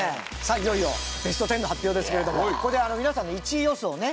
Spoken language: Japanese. いよいよベスト１０の発表ですけれどもここで皆さんの１位予想をね